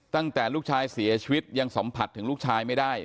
ตั้งแต่ลูกชายเสียชีวิตยังสัมผัสถึงลูกชายไม่ได้